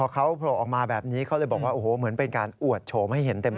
เขาโผล่ออกมาแบบนี้เขาเลยบอกว่าโอ้โหเหมือนเป็นการอวดโฉมให้เห็นเต็ม